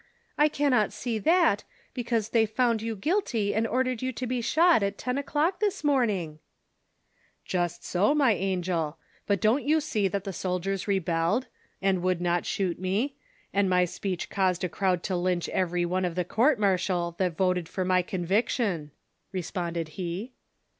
" I cannot see that, be cause they found you guilty and ordered you to be shot at ten o'clock this morning !" "Just so, my angel, but don't you see that the soldiers rebelled, and would not shoot me ; and my speech caused a crowd to lynch every one of the com^t martial that voted for my conviction !" responded he.